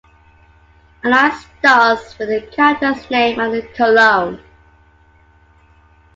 A line starts with a character's name and a colon.